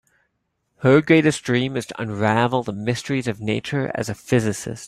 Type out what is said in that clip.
Her greatest dream is to unravel the mysteries of nature as a physicist.